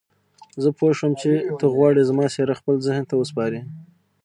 زه پوه شوم چې ته غواړې زما څېره خپل ذهن ته وسپارې.